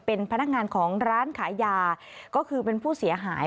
เป็นพนักงานของร้านขายยาก็คือเป็นผู้เสียหาย